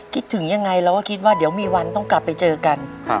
คิดถึงยังไงเราก็คิดว่าเดี๋ยวมีวันต้องกลับไปเจอกัน